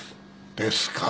ですから。